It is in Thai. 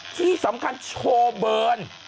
ที่สำคัญโชว์เบิร์น